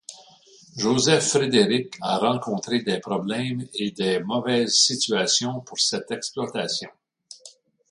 Joseph Frédéric a rencontré des problèmes et des mauvaises situations pour cette exploitation.